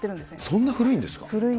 そんな古いんですか。